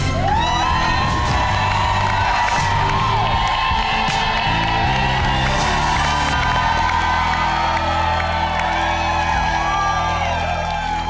สวัสดีครับ